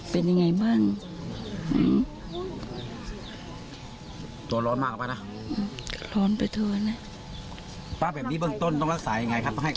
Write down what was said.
ป้าแบบนี้เบื้องต้นต้องรักษายังไงครับ